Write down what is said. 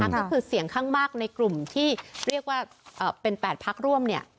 ก็คือเสียงข้างมากในกลุ่มที่เรียกว่าเป็น๘พักร่วม